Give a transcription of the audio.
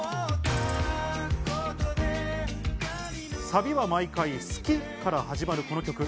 サビは毎回「好き」から始まるこの曲。